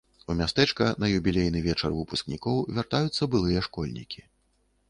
У мястэчка на юбілейны вечар выпускнікоў вяртаюцца былыя школьнікі.